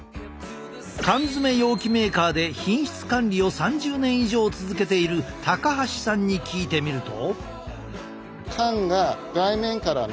缶詰容器メーカーで品質管理を３０年以上続けている高橋さんに聞いてみると。